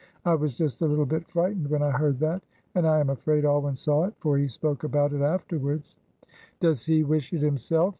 I was just a little bit frightened when I heard that, and I am afraid Alwyn saw it, for he spoke about it afterwards." "Does he wish it himself?"